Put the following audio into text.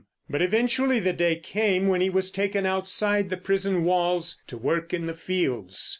But eventually the day came when he was taken outside the prison walls to work in the fields.